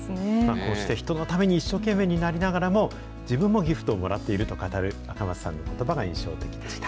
こうして人のために一生懸命になりながらも、自分もギフトをもらっていると語る赤松さんのことばが印象的でした。